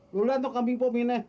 lu lihat tuh kambing pomine